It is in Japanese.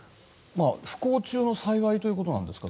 不幸中の幸いということですか。